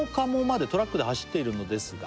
「トラックで走っているのですが」